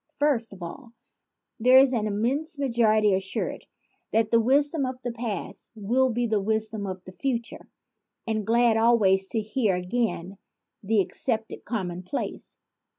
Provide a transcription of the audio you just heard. First of all, there is the immense majority assured that the wisdom of the past will be the wisdom of the future and glad always to hear again the ac cepted commonplaces.